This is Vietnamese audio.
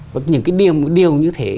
và những cái điều như thế